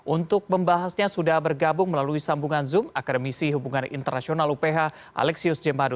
untuk membahasnya sudah bergabung melalui sambungan zoom akademisi hubungan internasional uph alexius jemadu